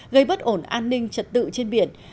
gây bất ổn an ninh trật tự trên biển